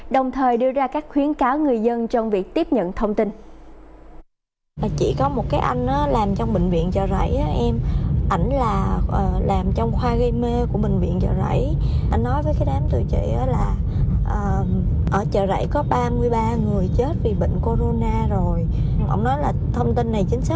đồng thời đưa ra các khuyến cáo người dân trong việc tiếp nhận thông tin